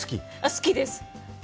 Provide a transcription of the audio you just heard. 好きです。